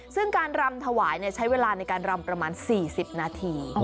ซึ่งการรำถวายเนี่ยใช้เวลาในการรำประมาณสี่สิบนาที